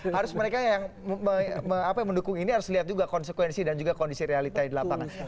harus mereka yang mendukung ini harus lihat juga konsekuensi dan juga kondisi realita di lapangan